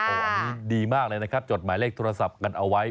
อันนี้ดีมากเลยนะครับจดหมายเลขโทรศัพท์กันเอาไว้